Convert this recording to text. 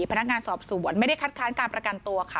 พนักงานสอบสวนไม่ได้คัดค้านการประกันตัวค่ะ